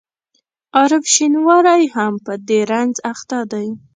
عارف شینواری هم په دې رنځ اخته دی.